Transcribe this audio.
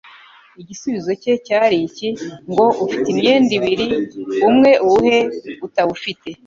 Igisubizo cye cyari iki ngo : «Ufite imyenda ibiri, umwe awuhe utawufute,